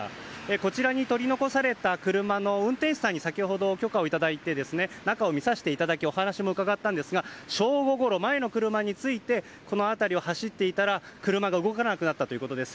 こちらに取り残された車の運転手さんに先ほど許可をいただいて中を見させていただきお話を伺ったんですが正午ごろ前の車についてこの辺りを走っていたら車が動かなくなったということです。